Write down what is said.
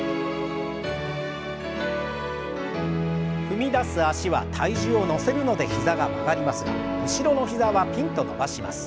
踏み出す脚は体重を乗せるので膝が曲がりますが後ろの膝はピンと伸ばします。